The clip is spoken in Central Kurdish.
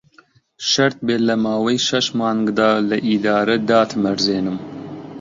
شەرت بێ لە ماوەی شەش مانگدا لە ئیدارە داتمەزرێنم